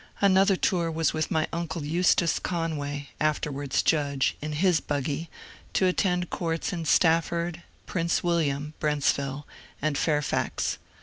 Another tour was with my uncle Eustace Conway (after wards judge) in his buggy, to attend courts in Stafford, Prince William (Brentsville), and Fairfax.